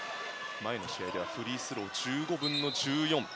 前の試合ではフリースロー１５分の１４。